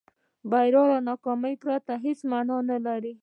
بریا له ناکامۍ پرته څه معنا لري.